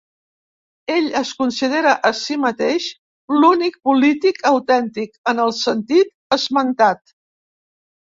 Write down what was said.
Ell es considera a si mateix l'únic polític autèntic, en el sentit esmentat.